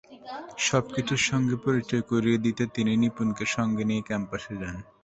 সবকিছুর সঙ্গে পরিচয় করিয়ে দিতে তিনি নিপুণকে সঙ্গে নিয়ে ক্যাম্পাসে যান।